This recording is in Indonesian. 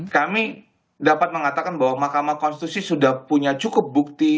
kami dapat mengatakan bahwa mahkamah konstitusi sudah punya cukup bukti